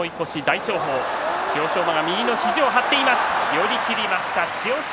寄り切りました千代翔